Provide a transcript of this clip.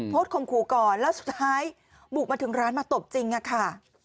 คมขู่ก่อนแล้วสุดท้ายบุกมาถึงร้านมาตบจริงค่ะ